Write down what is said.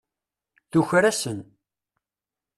Tuker-asen.